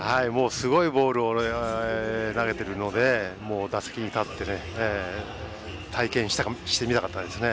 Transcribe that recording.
すごいボールを投げているので打席に立って体験してみたかったですね。